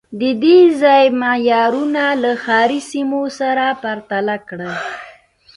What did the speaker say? د دې ځای معیارونه له ښاري سیمو سره پرتله کړئ